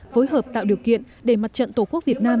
phối hợp tạo điều kiện để mặt trận tổ quốc việt nam